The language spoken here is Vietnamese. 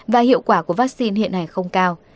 và hiệu quả của vaccine hiện hành không cao